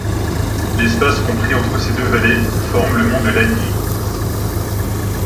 L'espace compris entre ces deux vallées forme le Mont de Lagny.